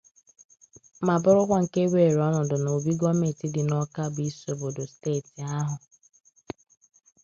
ma bụrụkwa nke weere ọnọdụ n'obi gọọmenti dị n'Awka bụ isi obodo steeti ahụ.